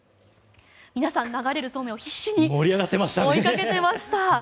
皆さん、流れるそうめんを必死に追いかけてました。